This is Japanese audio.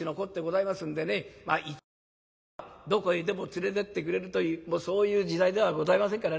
１円もあればどこへでも連れてってくれるというそういう時代ではございませんからね